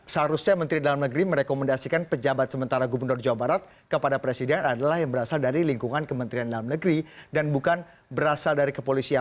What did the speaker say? seharusnya menteri dalam negeri merekomendasikan pejabat sementara gubernur jawa barat kepada presiden adalah yang berasal dari lingkungan kementerian dalam negeri dan bukan berasal dari kepolisian